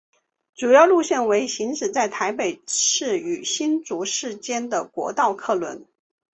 主要路线为行驶在台北市与新竹市间的国道客运。